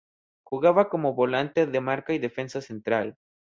Jugaba como volante de marca y defensa central.